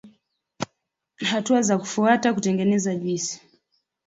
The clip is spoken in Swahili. Hatua za kufuata kutengeneza juisi